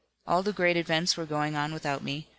All the great events were going on without me.